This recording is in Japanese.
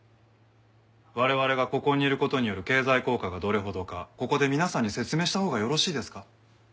我々がここにいる事による経済効果がどれほどかここで皆さんに説明したほうがよろしいですか？